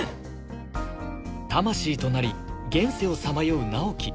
魂となり現世をさまよう直木